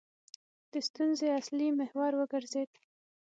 د ستونزې اصلي محور وګرځېد.